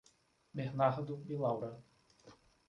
Bernardo e Laura